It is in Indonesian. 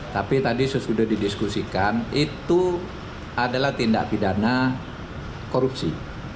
tapi tadi sudah didiskusikan itu adalah tindak bidana korupsi